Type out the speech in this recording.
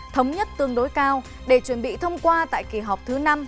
thống nhất tương đối cao để chuẩn bị thông qua tại kỳ họp thứ năm